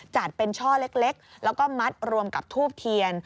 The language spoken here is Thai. จัดเป็นช่อเล็กแล้วก็มัดรวมกับทูบเทียน